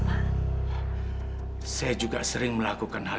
listrik merubahnya nanti untuk daye scandal